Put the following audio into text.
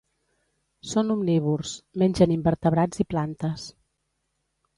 Són omnívors: mengen invertebrats i plantes.